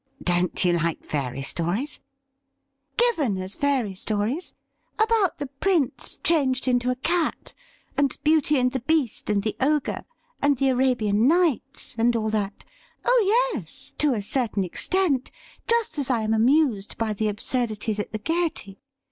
' Don't you like fairy stories ?'' Given as fairy stories — about the Prince changed into 22 THE RIDDLE RING a cat, and Beauty and the Beast and the ogre, and the "Arabian Nights," and all that — oh yes, to a certain extent, just as I am amused by the absurdities at the Gaiety.